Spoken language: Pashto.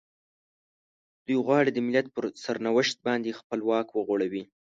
دوی غواړي د ملت پر سرنوشت باندې خپل واک وغوړوي.